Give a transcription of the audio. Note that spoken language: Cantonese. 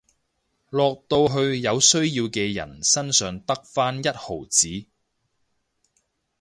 落到去有需要嘅人身上得返一毫子